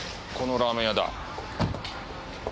このラーメン屋だ。